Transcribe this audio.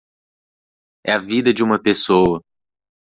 É a vida de uma pessoa